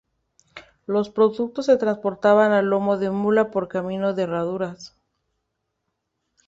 Los productos se transportaban a lomo de mula por caminos de herradura.